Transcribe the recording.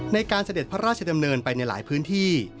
เสด็จพระราชดำเนินไปในหลายพื้นที่